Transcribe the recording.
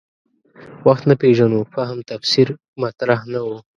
وخت نه پېژنو فهم تفسیر مطرح نه و.